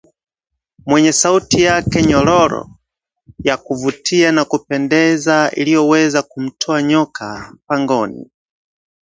Mwenye sauti yake nyororo, ya kuvutia na kupendeza iliyoweza kumtoa nyoka pangoni